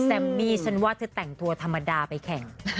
แซมมี่ฉันว่าเธอแต่งตัวธรรมดาไปแข่ง